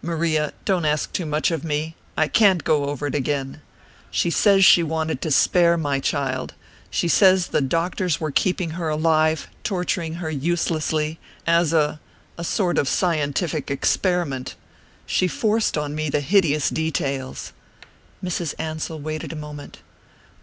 "Maria don't ask too much of me! I can't go over it again. She says she wanted to spare my child she says the doctors were keeping her alive, torturing her uselessly, as a...a sort of scientific experiment.... She forced on me the hideous details...." Mrs. Ansell waited a moment.